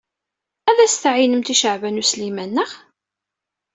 Ad as-tɛeyynemt i Caɛban U Sliman, naɣ?